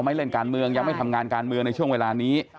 ไม่เล่นการเมืองยังไม่ทำงานการเมืองในช่วงเวลานี้